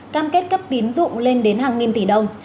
cam kết cấp tín dụng lên đến hàng nghìn tỷ đồng